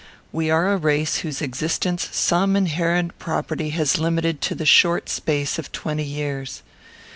We are a race whose existence some inherent property has limited to the short space of twenty years.